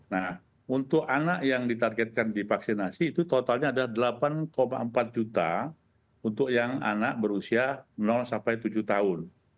nah untuk anak yang ditargetkan divaksinasi itu totalnya ada delapan empat juta untuk yang anak berusia tujuh tahun